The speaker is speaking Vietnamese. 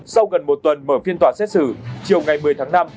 sau gần một tuần mở phiên tòa xét xử chiều ngày một mươi tháng năm